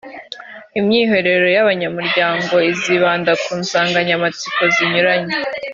imyiherero y’abanyamuryango izibanda ku nsanganyamatsiko zinyuranye